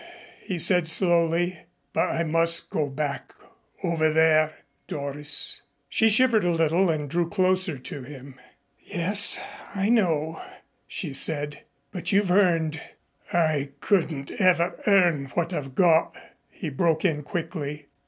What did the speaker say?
He said slowly: "But I must go back over there, Doris." She shivered a little and drew closer to him. "Yes, I know," she said. "But you've earned " "I couldn't ever earn what I've got," he broke in quickly.